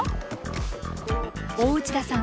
大内田さん